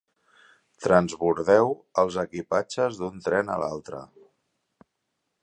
Transbordeu els equipatges d'un tren a l'altre.